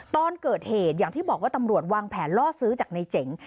ตอนเกิดเหตุอย่างที่บอกว่าตำรวจวางแผนล่อซื้อจากในเจ๋ง